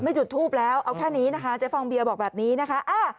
จุดทูปแล้วเอาแค่นี้นะคะเจ๊ฟองเบียบอกแบบนี้นะคะ